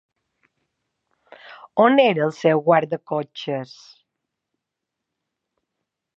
On era el seu guardacotxes?